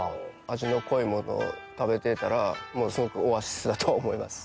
味の濃いものを食べてたらすごくオアシスだとは思います。